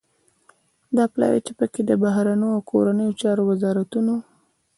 دا پلاوی چې پکې د بهرنیو او کورنیو چارو وزارتون